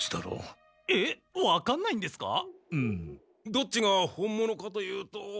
どっちが本物かというと。